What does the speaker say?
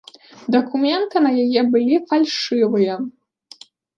Дакументы на яе былі фальшывыя.